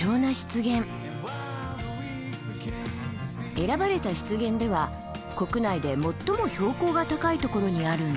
選ばれた湿原では国内で最も標高が高いところにあるんですって。